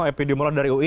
epidemiolog dari ui